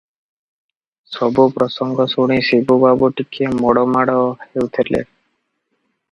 ସବୁ ପ୍ରସଙ୍ଗ ଶୁଣି ଶିବୁ ବାବୁ ଟିକିଏ ମୋଡ଼ ମାଡ଼ ହେଉଥିଲେ ।